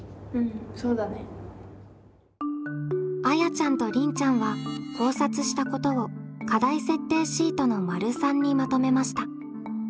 あやちゃんとりんちゃんは考察したことを課題設定シートの③にまとめました。